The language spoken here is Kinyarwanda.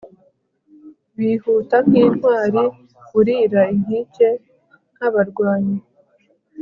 bihuta nk intwari burira inkike nk abarwanyi